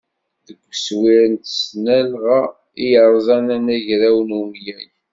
Deg uswir n tesnalɣa i yerzan anagraw n umyag.